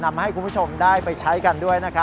นำให้คุณผู้ชมได้ไปใช้กันด้วย